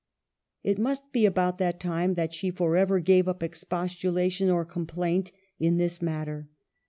x It must be about that time that she forever gave up expostulation or complaint in this mat ter.